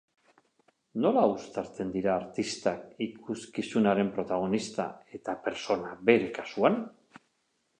Nola uztartzen dira artista, ikuskizunaren protagonista, eta pertsona, bere kasuan?